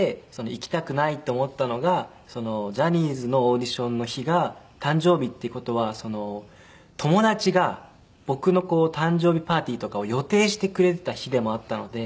行きたくないと思ったのがジャニーズのオーディションの日が誕生日っていう事は友達が僕の誕生日パーティーとかを予定してくれていた日でもあったので。